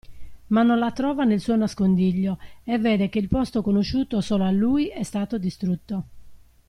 Ma non la trova nel suo nascondiglio e vede che il posto conosciuto solo a lui è stato distrutto.